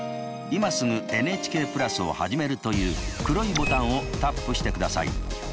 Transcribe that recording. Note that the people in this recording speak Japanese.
「今すぐＮＨＫプラスをはじめる」という黒いボタンをタップしてください。